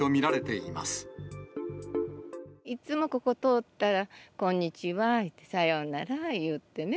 いつもここ通ったら、こんにちは、さようなら言ってね。